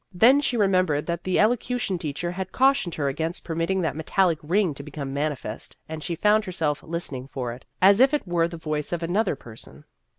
Then she remem bered that the elocution teacher had cau tioned her against permitting that metallic ring to become manifest, and she found herself listening for it, as if it were the voice of another person.